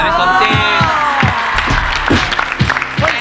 พี่สมศิษย์